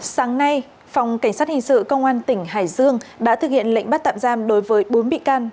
sáng nay phòng cảnh sát hình sự công an tỉnh hải dương đã thực hiện lệnh bắt tạm giam đối với bốn bị can